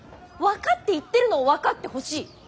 分かって言ってるのを分かってほしい。